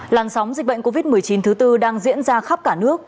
làn sóng dịch bệnh covid một mươi chín thứ tư đang diễn ra khắp cả nước